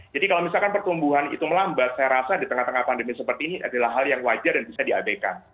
jadi kalau misalkan pertumbuhan itu melambat saya rasa di tengah tengah pandemi seperti ini adalah hal yang wajar dan bisa diabaikan